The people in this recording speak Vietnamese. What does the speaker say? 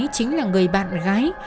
chính là người bạn gái